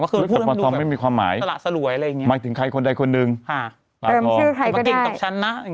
ส่วนพูดมันไม่มีความหมายหมายถึงใครคนใดคนหนึ่งตาทองส่วนพูดมันไม่มีความหมายหมายถึงใครคนใดคนหนึ่ง